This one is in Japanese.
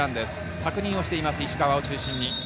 確認をしています、石川を中心に。